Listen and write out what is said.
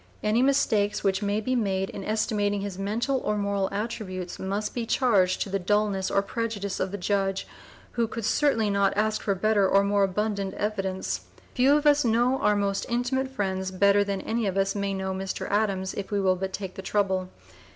Any mistakes which may be made in estimating his mental or moral attributes must be charged to the dulness or prejudice of the judge, who could certainly not ask for better or more abundant evidence. Few of us know our most intimate friends better than any of us may know Mr. Adams, if we will but take the trouble.